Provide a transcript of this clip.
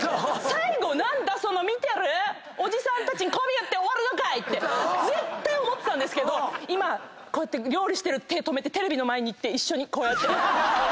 最後何だ⁉見てるおじさんたちにこび売って終わるのかいって絶対思ってたんですけど今こうやって料理してる手止めてテレビの前に行って一緒にこうやって。